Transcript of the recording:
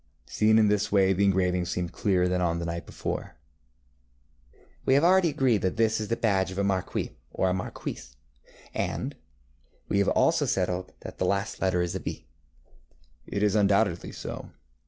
Seen in this way the engraving seemed clearer than on the night before. ŌĆ£We have already agreed that this is the badge of a marquis or of a marquise, ŌĆØ said he. ŌĆ£We have also settled that the last letter is B.ŌĆØ ŌĆ£It is undoubtedly so.